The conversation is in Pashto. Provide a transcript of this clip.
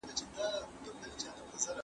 زه له کوچنیانو سره نرم چلند کوم.